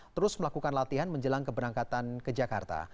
terus melakukan latihan menjelang keberangkatan ke jakarta